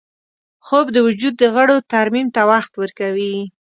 خوب د وجود د غړو ترمیم ته وخت ورکوي